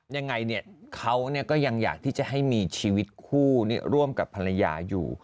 ยังไงเขาก็ยังอยากที่จะให้มีชีวิตคู่ร่วมกับภรรยาอยู่